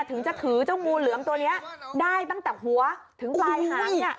ถึงจะถือเจ้างูเหลือมตัวนี้ได้ตั้งแต่หัวถึงปลายหาง